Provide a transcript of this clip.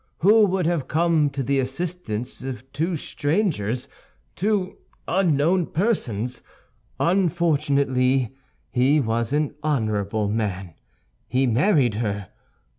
Who would have come to the assistance of two strangers, two unknown persons? Unfortunately he was an honorable man; he married her.